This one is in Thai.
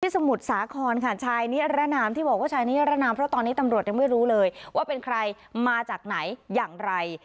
สมุทรสาครค่ะชายนิรนามที่บอกว่าชายนิรนามเพราะตอนนี้ตำรวจยังไม่รู้เลยว่าเป็นใครมาจากไหนอย่างไร